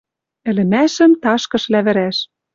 Ӹлӹмӓшӹм ташкыш лявӹраш.